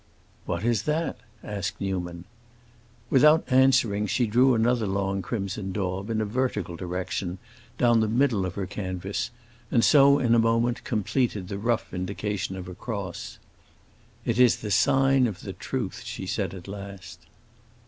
"What is that?" asked Newman. Without answering, she drew another long crimson daub, in a vertical direction, down the middle of her canvas, and so, in a moment, completed the rough indication of a cross. "It is the sign of the truth," she said at last.